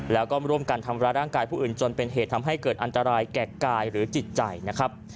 แล้วก็ร่วมกันทำร้ายร่างกายผู้อื่นจนเป็นเหตุทำให้เกิดอันตรายแก่กายหรือจิตใจนะครับ